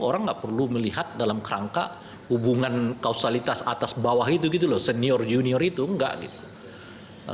orang tidak perlu melihat dalam rangka hubungan kausalitas atas bawah itu senior junior itu tidak